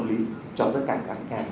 hợp lý cho tất cả các hàng